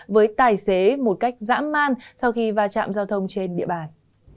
với tài xế một cách giãn man sau khi vạch chạm giao thông trên địa bàn